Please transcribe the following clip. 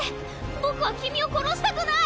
僕は君を殺したくない。